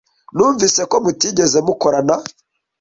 Numvise ko mutigeze mukorana.